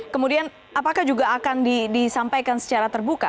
kemudian apakah juga akan disampaikan secara terbuka